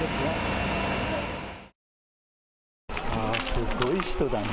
すごい人だね。